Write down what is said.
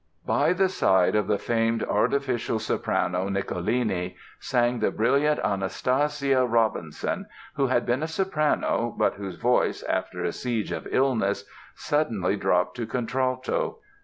By the side of the famed artificial soprano, Nicolini, sang the brilliant Anastasia Robinson, who had been a soprano but whose voice, after a siege of illness, suddenly dropped to contralto.